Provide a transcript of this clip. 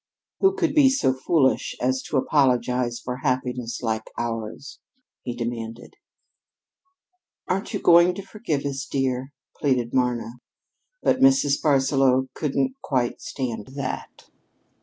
"Who could be so foolish as to apologize for happiness like ours?" he demanded. "Aren't you going to forgive us, dear?" pleaded Marna. But Mrs. Barsaloux couldn't quite stand that.